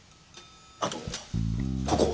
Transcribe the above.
あとここ。